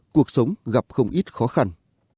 cuộc sống gặp không ít khó khăn